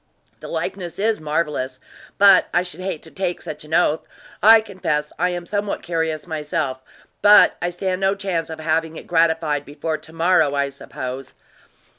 "The likeness is marvelous; but I should hate to take such an oath. I confess I am somewhat curious myself; but I stand no chance of having it gratified before to morrow, I suppose."